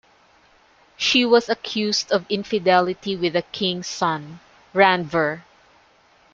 She was accused of infidelity with the king's son, Randver.